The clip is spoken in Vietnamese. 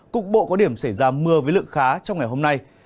cục bộ có điểm xảy ra mưa với lượng khá trong ngày hôm nay